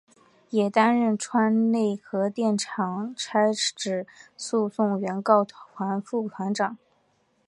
也担任川内核电厂差止诉讼原告团副团长。